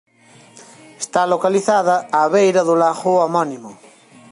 Está localizada á beira do lago homónimo.